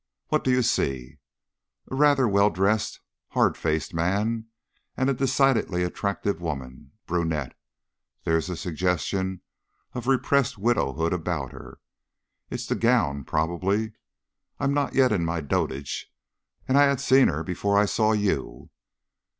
"What do you see?" "A rather well dressed, hard faced man and a decidedly attractive woman brunette. There's a suggestion of repressed widowhood about her. It's the gown, probably. I am not yet in my dotage, and I had seen her before I saw you."